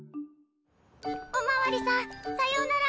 おまわりさんさようなら！